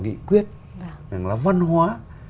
nghị quyết rằng là văn hóa